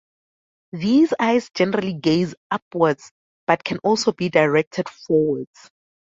These eyes generally gaze upwards, but can also be directed forwards.